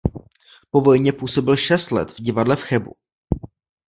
Po vojně působil šest let v divadle v Chebu.